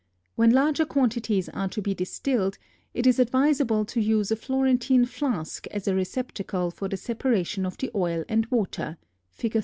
When larger quantities are to be distilled it is advisable to use a Florentine flask as a receptacle for the separation of the oil and water (Fig.